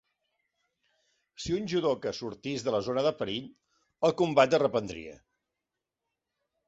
Si un judoka sortís de la zona de perill, el combat es reprendria.